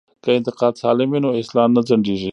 که انتقاد سالم وي نو اصلاح نه ځنډیږي.